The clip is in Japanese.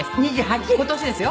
今年ですよ。